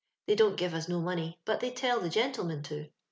They don't give us no money, but they tell the gentlemi'U to.